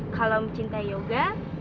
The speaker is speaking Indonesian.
kalau mencintai yoga